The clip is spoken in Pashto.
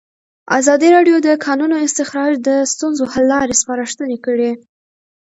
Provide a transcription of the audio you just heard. ازادي راډیو د د کانونو استخراج د ستونزو حل لارې سپارښتنې کړي.